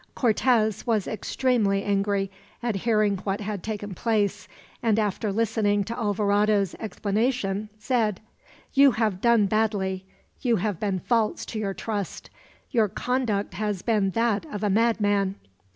Cortez was extremely angry at hearing what had taken place and, after listening to Alvarado's explanation, said: "You have done badly. You have been false to your trust! Your conduct has been that of a madman!"